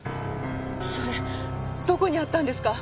それどこにあったんですか？